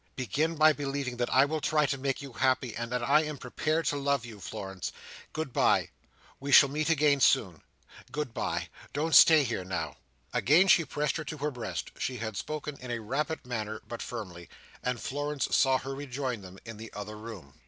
"Begin by believing that I will try to make you happy, and that I am prepared to love you, Florence. Good bye. We shall meet again soon. Good bye! Don't stay here, now." Again she pressed her to her breast she had spoken in a rapid manner, but firmly—and Florence saw her rejoin them in the other room.